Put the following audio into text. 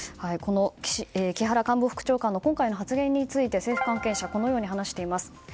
木原官房副長官の今回の発言について政府関係者はこのように話しています。